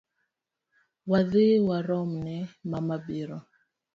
Wadhi waromne mama biro.